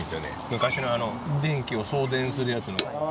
昔の電気を送電するやつの。